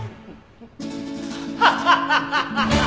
ハハハハハ！